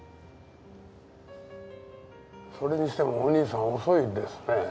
それにしてもお兄さん遅いですね。